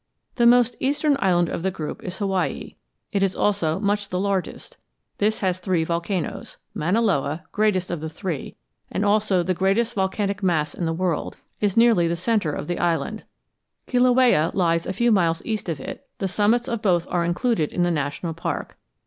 The most eastern island of the group is Hawaii. It is also much the largest. This has three volcanoes. Mauna Loa, greatest of the three, and also the greatest volcanic mass in the world, is nearly the centre of the island; Kilauea lies a few miles east of it; the summits of both are included in the national park.